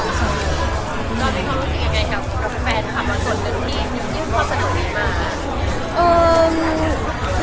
กับแฟนคำว่าส่วนเรื่องนี้มีความสะดวกดีมาก